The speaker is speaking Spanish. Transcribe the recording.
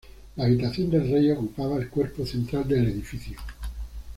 La habitación del rey ocupaba el cuerpo central del edificio.